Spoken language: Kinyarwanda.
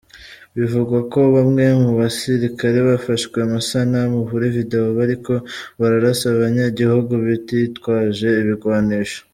Bivugwa ko bamwe mu basirikare bafashwe amasanamu kuri video bariko bararasa abanyagihugu bititwaje ibigwanisho.